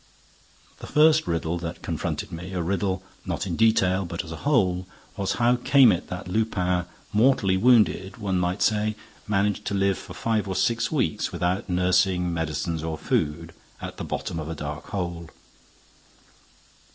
The first riddle that confronted me, a riddle not in detail, but as a whole, was how came it that Lupin, mortally wounded, one might say, managed to live for five or six weeks without nursing, medicine or food, at the bottom of a dark hole?